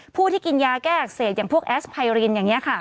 ผู้ที่กินยาแก้อักเสบอย่างพวกแอสไพรินอย่างนี้ค่ะ